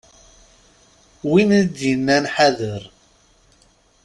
Win d-yennan ḥader.